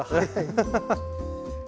ハハハハ。